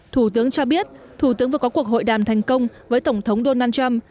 thủ tướng cho biết thủ tướng vừa có cuộc hội đàm thành công với tổng thống donald trump